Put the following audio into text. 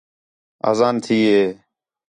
آذان تھی ہے